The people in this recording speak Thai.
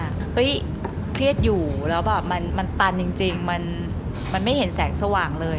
เฮ้ยเครียดอยู่แล้วแบบมันตันจริงมันไม่เห็นแสงสว่างเลย